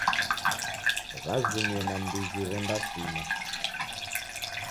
W'azumie nandighi w'endasima.